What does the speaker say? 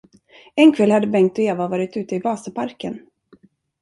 En kväll hade Bengt och Eva varit ute i Vasaparken.